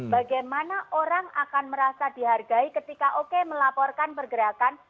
bagaimana orang akan merasa dihargai ketika oke melaporkan pergerakan